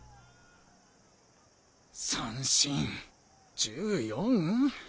三振１４？